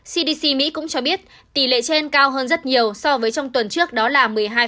cdc mỹ cũng cho biết tỷ lệ trên cao hơn rất nhiều so với trong tuần trước đó là một mươi hai